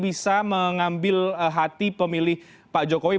bisa mengambil hati pemilih pak jokowi